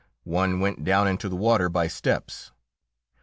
One went down into the water by steps.